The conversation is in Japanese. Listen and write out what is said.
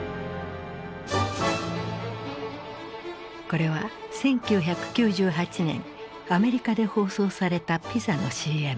これは１９９８年アメリカで放送されたピザのＣＭ。